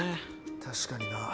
確かにな。